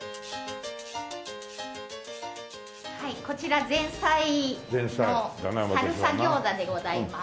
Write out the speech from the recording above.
はいこちら前菜のサルサ餃子でございます。